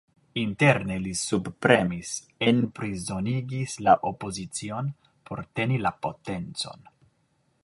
Interne, li subpremis, enprizonigis la opozicion, por teni la potencon.